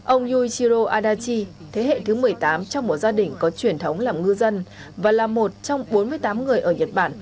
ông yuichiro adachi thế hệ thứ một mươi tám trong một gia đình có truyền thống làm ngư dân và là một trong bốn mươi tám người ở nhật bản